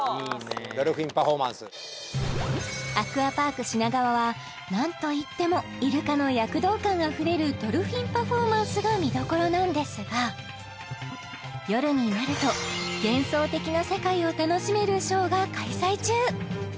ドルフィンパフォーマンスアクアパーク品川は何といってもイルカの躍動感あふれるドルフィンパフォーマンスが見どころなんですが夜になると幻想的な世界を楽しめるショーが開催中